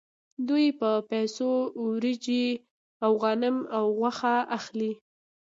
دوی په پیسو وریجې او غنم او غوښه اخلي